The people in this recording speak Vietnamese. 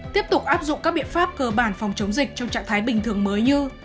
tiếp tục áp dụng các biện pháp cơ bản phòng chống dịch trong trạng thái bình thường mới như